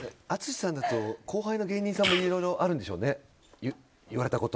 淳さんだと後輩の芸人さんでいろいろあるんでしょうね。